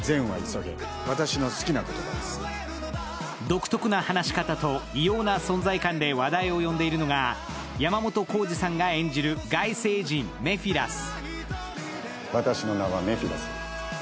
独特な話し方と異様な存在感で話題を呼んでいるのが山本耕史さんが演じる外星人、メフィラス。